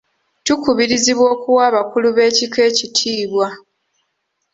Tukubirizibwa okuwa abakulu b'ebika ekitiibwa.